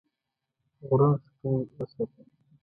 غرونه ښکلي وساته.